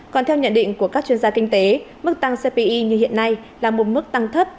còn theo nhận định của các chuyên gia kinh tế mức tăng cpi như hiện nay là một mức tăng thấp